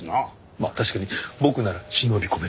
まあ確かに僕なら忍び込めるかも。